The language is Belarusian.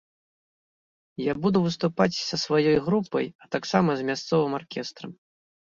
Я буду выступаць са сваёй групай, а таксама з мясцовым аркестрам.